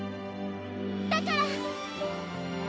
だから！